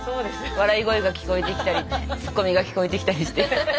笑い声が聞こえてきたりツッコミが聞こえてきたりして。